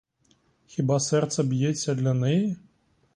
Хіба серце б'ється для неї?